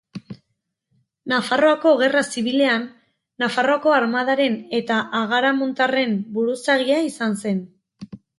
Nafarroako Gerra Zibilean Nafarroako armadaren eta agaramontarren buruzagia izan zen.